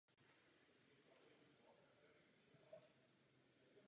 Jejím manželem je vědec Michael Blum.